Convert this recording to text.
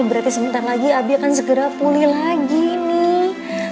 berarti sebentar lagi abi akan segera pulih lagi nih